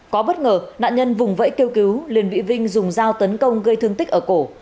có bất ngờ nạn nhân vùng vẫy kêu cứu liền bị vinh dùng dao tấn công gây thương tích ở cổ